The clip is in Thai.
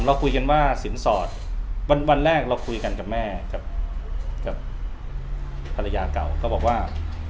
เราคุยกันว่าสินสอดวันแรกเราคุยกันกับแม่กับภรรยาเก่าก็บอกว่า